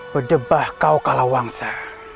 berdebah kau kala wangsa